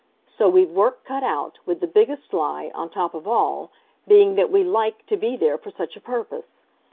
So we've work cut out with the biggest lie, on top of all, being that we LIKE to be there for such a purpose.